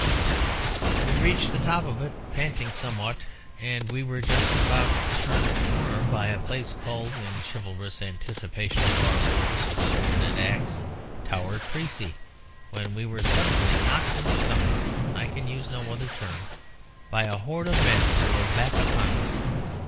"We reached the top of it, panting somewhat, and were just about to turn the corner by a place called (in chivalrous anticipation of our wars of sword and axe) Tower Creçy, when we were suddenly knocked in the stomach (I can use no other term) by a horde of men hurled back upon us.